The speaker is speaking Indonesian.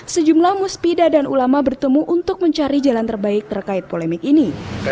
sejumlah musbidah dan ulama bertemu untuk mencari jalan terbaik terkait polemik ini